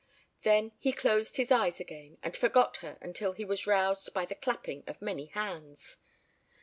Then he closed his eyes again and forgot her until he was roused by the clapping of many hands.